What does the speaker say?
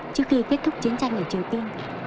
trước khi kết thúc chiến tranh ở triều tiên